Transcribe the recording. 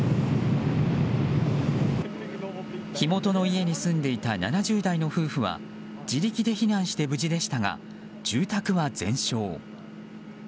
火元の家に住んでいた７０代の夫婦は自力で避難して無事でしたが住宅は全焼。